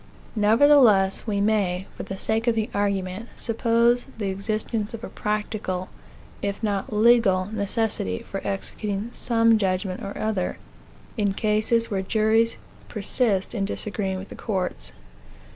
Nevertheless, we may, for the sake of the argument, suppose the existence of a practical, if not legal, necessity, for executing some judgment or other, in cases where juries persist in disagreeing with the courts.